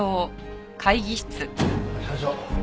社長。